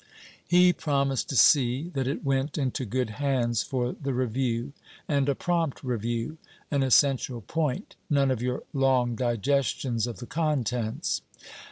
He promised to see that it went into good hands for the review, and a prompt review an essential point; none of your long digestions of the contents.